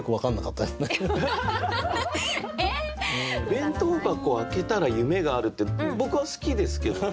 弁当箱開けたら夢があるって僕は好きですけどね。